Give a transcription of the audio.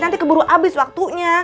nanti keburu abis waktunya